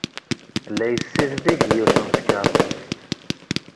La yessizdig yiwet n tkeṛṛust.